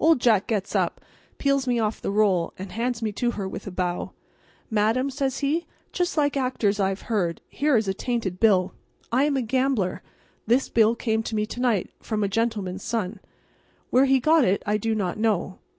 Old Jack gets up, peels me off the roll and hands me to her with a bow. "Madam," says he, just like actors I've heard, "here is a tainted bill. I am a gambler. This bill came to me to night from a gentleman's son. Where he got it I do not know.